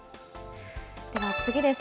では、次です。